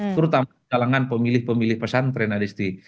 terutama di kalangan pemilih pemilih pesantren adesti